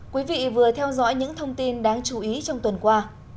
quý vị vừa theo dõi những thông tin đáng chú ý trong tuần qua